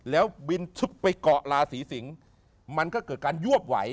แล้วบินปะกะลาสีสิงค์มันจะเกิดการยวบไหว